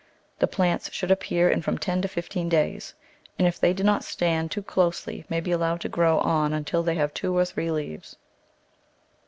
The plants should appear in from ten to fifteen days, and if they do not stand too closely may be allowed to grow on until they have two or three leaves.